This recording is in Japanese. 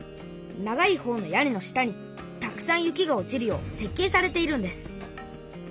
長いほうの屋根の下にたくさん雪が落ちるようせっ計されているんです。